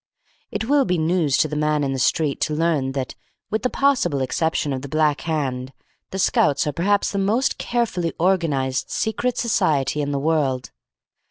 It will be news to the Man in the Street to learn that, with the possible exception of the Black Hand, the Scouts are perhaps the most carefully organised secret society in the world.